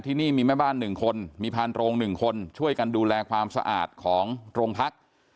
ที่นี่มีแม่บ้าน๑คนมีพานโรง๑คนช่วยกันดูแลความสะอาดของโรงพัก